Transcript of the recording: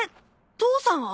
父さんは？